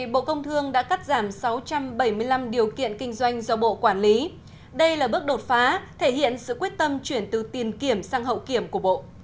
bộ công thương đã cắt giảm sáu trăm bảy mươi năm điều kiện kinh doanh do bộ quản lý đây là bước đột phá thể hiện sự quyết tâm chuyển từ tiền kiểm sang hậu kiểm của bộ